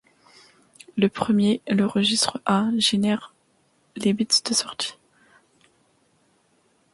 Le premier, le registre A, génère les bits de sortie.